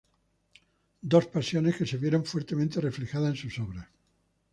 Dos pasiones que se vieron fuertemente reflejadas en sus obras.